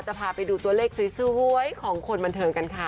พาไปดูตัวเลขสวยของคนบันเทิงกันค่ะ